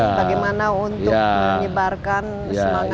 bagaimana untuk menyebarkan semangat